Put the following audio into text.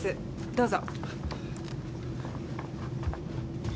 どうぞ。